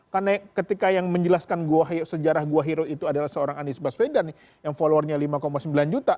karena ketika yang menjelaskan sejarah gua hero itu adalah seorang anies basvedan yang followernya lima sembilan juta